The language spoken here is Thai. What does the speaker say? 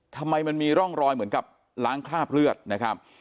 ทำไมมันมีร่องรอยเหมือนกับล้างคราบเลือดนะครับ